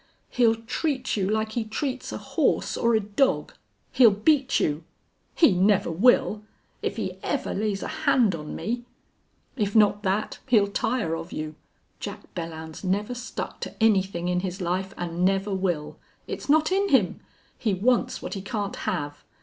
"He'll treat you like he treats a horse or a dog. He'll beat you " "He never will! If he ever lays a hand on me " "If not that, he'll tire of you. Jack Belllounds never stuck to anything in his life, and never will. It's not in him. He wants what he can't have.